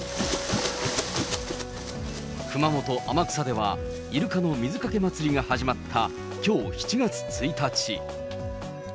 熊本・天草では、イルカの水かけ祭りが始まったきょう７月１日。